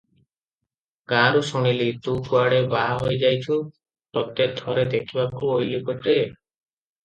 ଗାଁରୁ ଶୁଣିଲି, ତୁ କୁଆଡେ ବାହା ହୋଇ ଯାଉଛୁ, ତତେ ଥରେ ଦେଖିବାକୁ ଅଇଲି ରେ ।